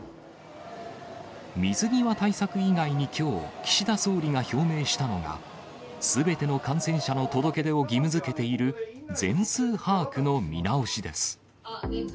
水際対策以外に、きょう、岸田総理が表明したのが、すべての感染者の届け出を義務づけている、全数把握の見直しです。